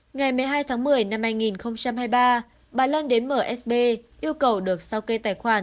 ngày một mươi hai tháng một mươi năm hai nghìn hai mươi ba bà loan đến msb yêu cầu được sao kê tài khoản